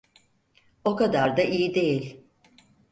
O kadar iyi değil.